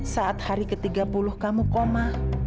saat hari ke tiga puluh kamu koma